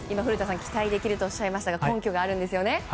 古田さん、期待できるとおっしゃいましたが根拠があるんですよね。